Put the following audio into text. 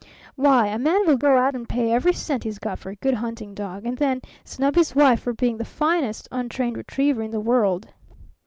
"Why, a man will go out and pay every cent he's got for a good hunting dog and then snub his wife for being the finest untrained retriever in the world.